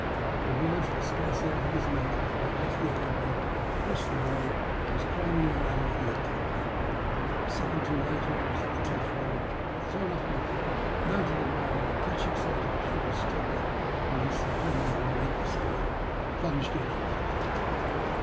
The words were scarcely out of his mouth before I had left the alley way, crossed the well, and was climbing the ladder that led to the poop. A second or two later I was at the taffrail, had thrown off my coat, mounted the rail, and, catching sight of a figure struggling among the cream of the wake astern, had plunged in after her.